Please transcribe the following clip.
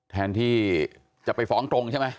แทนที่จะไปฟ้องตรงใช่ไหม